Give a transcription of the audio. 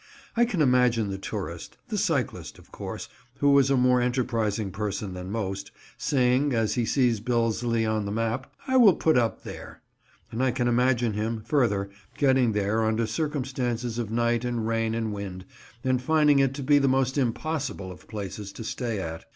I can imagine the tourist—the cyclist, of course, who is a more enterprising person than most—saying, as he sees Billesley on the map, "I will put up there," and I can imagine him, further, getting there under circumstances of night and rain and wind, and finding it to be the most impossible of places to stay at.